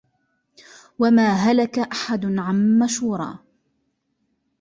وَمَا هَلَكَ أَحَدٌ عَنْ مَشُورَةٍ